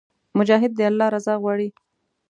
مجاهد د الله رضا غواړي.